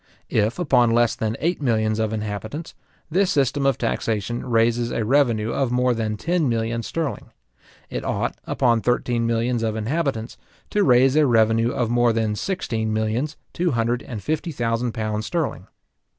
If, upon less than eight millions of inhabitants, this system of taxation raises a revenue of more than ten millions sterling; it ought, upon thirteen millions of inhabitants, to raise a revenue of more than sixteen millions two hundred and fifty thousand pounds sterling.